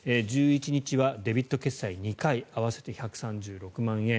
１１日はデビット決済２回合わせて１３６万円。